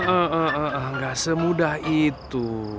enggak semudah itu